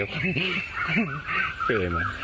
เจอให้มา